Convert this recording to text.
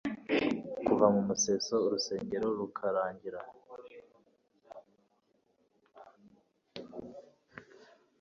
kuva mu museso urusengero rukarangira